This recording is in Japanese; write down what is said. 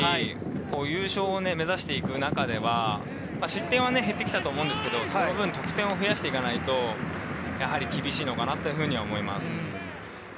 もっと取れてれば勝てた試合もあったと思いますし、優勝を目指していく中では失点は減ってきたと思うんですけど、その分、得点を増やしていかないと、やはり厳しいのかなと思います。